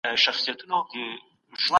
د تجربې ګډونوالو وینه په پرلپسې څارل کېده.